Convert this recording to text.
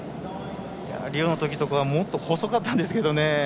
リオのときとかはもっと細かったんですけどね